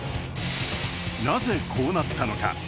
なぜこうなったのか。